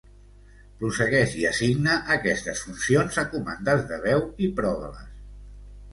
Prossegueix i assigna aquestes funcions a comandes de veu i prova-les.